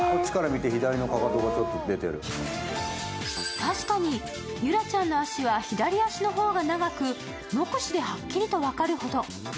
確かに、ゆらちゃんの足は左足の方が長く目視ではっきりと分かるほど。